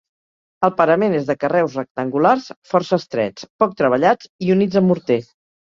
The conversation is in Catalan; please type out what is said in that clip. El parament és de carreus rectangulars força estrets, poc treballats i units amb morter.